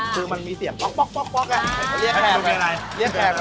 คือมันมีเสียบป๊อกอ่ะ